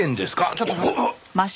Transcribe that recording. ちょっと。